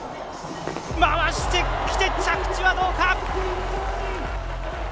回してきて、着地はどうか。